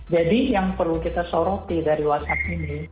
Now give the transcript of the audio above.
jadi yang perlu kita soroti dari whatsapp ini